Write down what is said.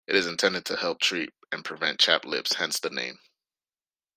It is intended to help treat and prevent chapped lips, hence the name.